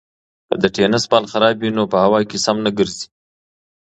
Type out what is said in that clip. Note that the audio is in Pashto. که د تېنس بال خراب وي نو په هوا کې سم نه ګرځي.